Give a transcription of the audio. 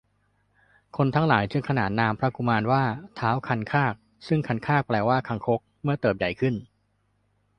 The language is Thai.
คนทั้งหลายจึงขนานนามพระกุมารว่า ท้าวคันคาก ซึ่งคันคาก แปลว่าคางคก เมื่อเติบใหญ่ขึ้น